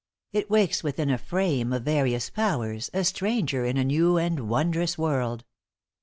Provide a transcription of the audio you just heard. It wakes within a frame of various powers A stranger in a new and wondrous world.